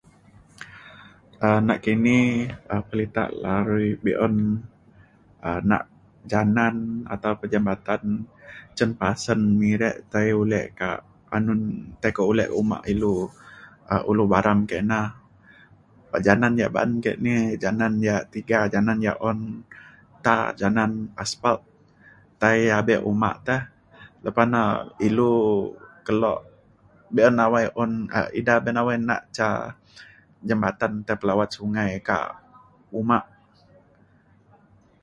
um nakini um perita larui be’un um nak janan atau pa jambatan cin pasen Miri tai ulek kak anun tai kak ulek uma ilu um ulu Baram kina. pa janan yak ba’an ke ni janan yak tiga janan yak un tar janan asphalt tai ya abe uma te lepa na ilu kelo be’un awai un um ida be’un nawai nak ca jambatan tai pe lawat sungai kak uma.